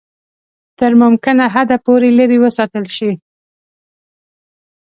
تر ممکنه حده پوري لیري وساتل شي.